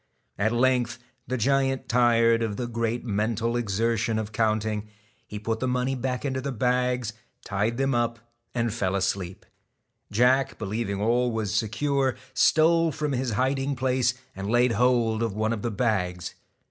At length the giant tired of the great mental exertion of counting. He put back the money into the bags, tied them up, and fell asleep. Jack, believing all was secure, stole from his hiding place, and laid hold of one of the bags.